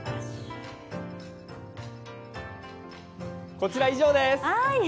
こちら、以上です。